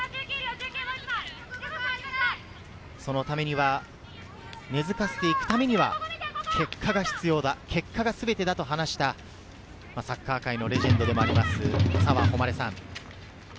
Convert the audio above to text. そのために根付かせていくためには、結果が必要だ、結果が全てだと話したサッカー界のレジェンド・澤穂希さん。